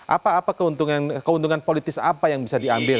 apa apa keuntungan politis apa yang bisa diambil